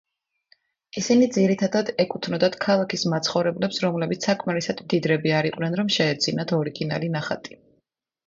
ისინი ძირითადად ეკუთვნოდათ ქალაქის მაცხოვრებლებს, რომლებიც საკმარისად მდიდრები არ იყვნენ, რომ შეეძინათ ორიგინალი ნახატი.